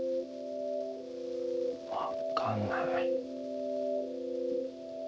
分かんない。